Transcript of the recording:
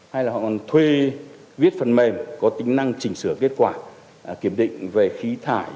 hay là họ còn thuê viết phần mềm có tính năng chỉnh sửa kết quả kiểm định về khí thải